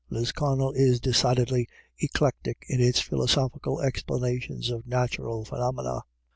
Lisconnel is decidedly eclectic in its philosophical explanations of natural pheno mena.